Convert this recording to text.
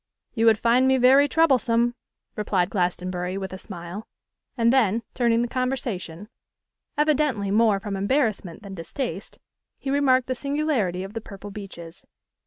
'You would find me very troublesome,' replied Glastonbury, with a smile; and then, turning the conversation, evidently more from embarrassment than distaste, he remarked the singularity of the purple beeches.